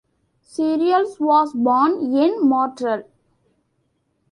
Cererols was born in Martorell.